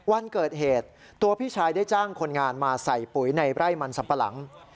วันเกิดเหตุตัวพี่ชายได้จ้างคนงานมาใส่ปุ๋ยในไร่มันสัมปะหลัง